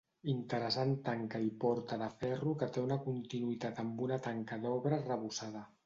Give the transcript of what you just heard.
Interessant tanca i porta de ferro que té una continuïtat amb una tanca d'obra arrebossada.